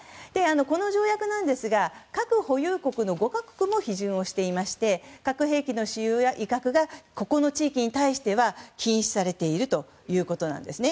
この条約ですが核保有国の５か国も批准していまして核兵器の使用や威嚇がここの地域に対しては禁止されているということなんです。